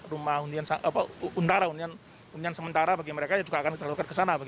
rumah undian sementara bagi mereka juga akan terlalu ke sana